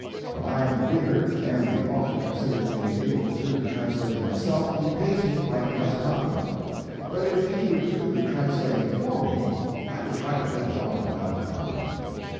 When I am the reader, and the author considers me able to do the translating myself, he pays me quite a nice compliment but if he would do the translating for me I would try to get along without the compliment.